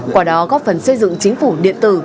qua đó góp phần xây dựng chính phủ điện tử